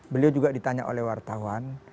beliau juga ditanya oleh wartawan